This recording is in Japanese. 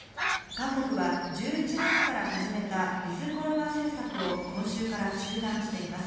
韓国は１１月から始めたｗｉｔｈコロナ政策を今週から中断しています。